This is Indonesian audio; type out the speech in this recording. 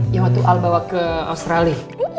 yang waktu al bawa ke australia